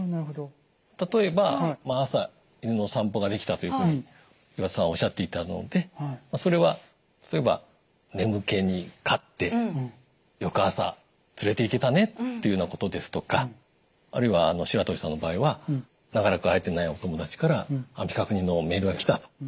例えば「朝犬の散歩ができた」というふうに岩田さんおっしゃっていたのでそれは「そういえば眠気に勝って翌朝連れていけたね」っていうようなことですとかあるいは白鳥さんの場合は「長らく会えてないお友達から安否確認のメールがきた」と。